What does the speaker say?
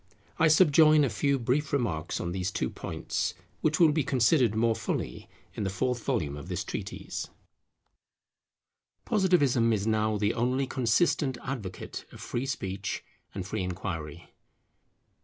I subjoin a few brief remarks on these two points, which will be considered more fully in the fourth volume of this treatise. [Liberty should be extended to Education] Positivism is now the only consistent advocate of free speech and free inquiry.